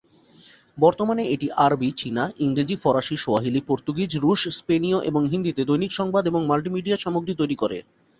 বর্তমানে এটি আরবী, চীনা, ইংরেজি, ফরাসি, সোয়াহিলি, পর্তুগিজ, রুশ, স্পেনীয় এবং হিন্দিতে দৈনিক সংবাদ এবং মাল্টিমিডিয়া সামগ্রী তৈরি করে।